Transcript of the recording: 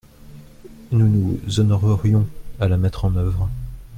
Nous nous honorerions à la mettre en œuvre.